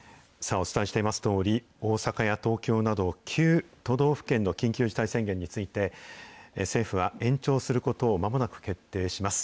お伝えしていますとおり、大阪や東京など、９都道府県の緊急事態宣言について、政府は延長することをまもなく決定します。